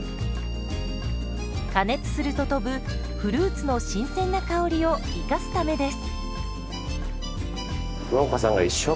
加熱すると飛ぶフルーツの新鮮な香りを生かすためです。